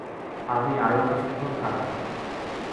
আমি আরো কিছুক্ষণ থাকবো।